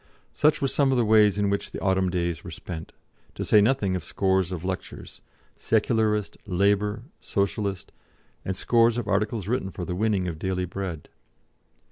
Such were some of the ways in which the autumn days were spent, to say nothing of scores of lectures Secularist, Labour, Socialist and scores of articles written for the winning of daily bread.